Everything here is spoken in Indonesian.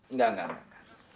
enggak enggak enggak